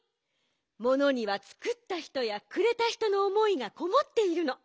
ものにはつくったひとやくれたひとのおもいがこもっているの。